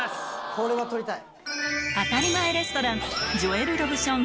これは取りたい。